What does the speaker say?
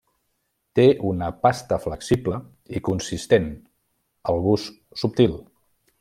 Té una pasta flexible i consistent al gust subtil.